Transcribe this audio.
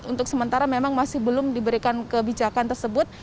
untuk sementara memang masih belum diberikan kebijakan tersebut